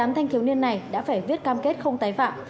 một mươi tám thanh thiếu niên này đã phải viết cam kết không tái phạm